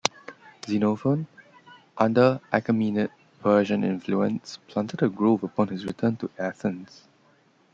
Xenophon, under Achaemenid Persian influence, planted a grove upon his return to Athens.